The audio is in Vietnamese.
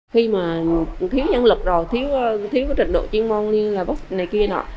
khi mà thiếu nhân lực rồi thiếu trình độ chuyên môn như là bác này kia nọ